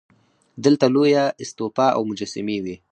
دلته لویه استوپا او مجسمې وې